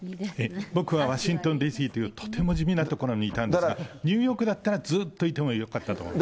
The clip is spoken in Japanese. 僕はワシントンＤＣという、とても地味な所にいたんですが、ニューヨークだったらずっといてもよかったと思います。